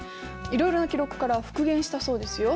いろいろな記録から復元したそうですよ。